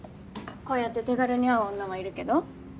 こうやって手軽に会う女はいるけど？